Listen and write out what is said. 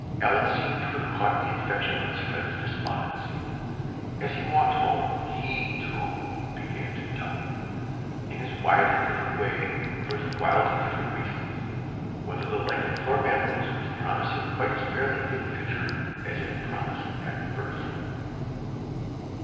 Allan seemed to have caught the infection of his friend's despondency. As he walked home, he, too, began to doubt in his widely different way, and for his widely different reasons whether the life at Thorpe Ambrose was promising quite as fairly for the future as it had promised at first.